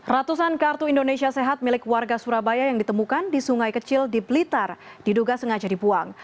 ratusan kartu indonesia sehat milik warga surabaya yang ditemukan di sungai kecil di blitar diduga sengaja dibuang